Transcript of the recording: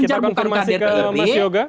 kita konfirmasi ke mas yoga